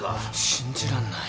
信じらんない。